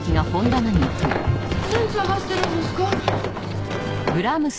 何探してるんですか？